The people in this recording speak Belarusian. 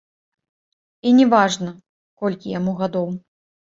І не важна, колькі яму гадоў.